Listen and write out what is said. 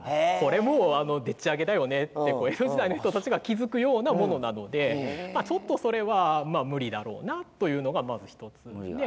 これもうでっちあげだよねって江戸時代の人たちが気付くようなものなのでちょっとそれは無理だろうなというのがまず１つ。